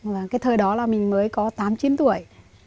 và cái thời đó là mình mới có tám chín tuổi